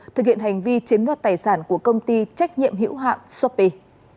thực hiện hành vi chiếm đoạt tài sản của công ty trách nhiệm hữu hạn shopee